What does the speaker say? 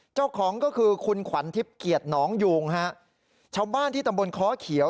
เจ้าของก็คือคุณขวัญทิพย์เกียรติหนองยูงฮะชาวบ้านที่ตำบลค้อเขียว